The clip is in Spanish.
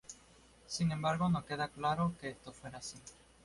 Sin embargo, no queda claro que esto fuera así.